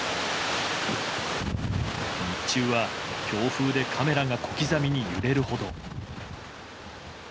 日中は強風でカメラが小刻みに揺れるほど。